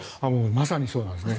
まさにそうなんですね。